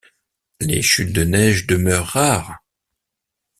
Les chutes de neige demeurent rares.